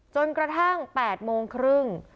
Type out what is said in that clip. จนกระทั่ง๘โมงครึ่ง